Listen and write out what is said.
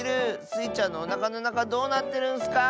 スイちゃんのおなかのなかどうなってるんスか！